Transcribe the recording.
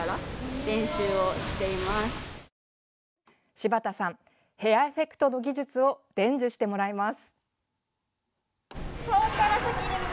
柴田さんヘアエフェクトの技術を伝授してもらいます。